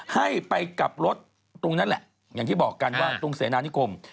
ให้ไปกลับรถตรงนั้นแหละอย่างที่บอกกันว่าตรงเสนานิคม